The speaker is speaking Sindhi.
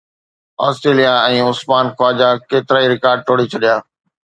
اسٽريليا ۽ عثمان خواجا ڪيترائي رڪارڊ ٽوڙي ڇڏيا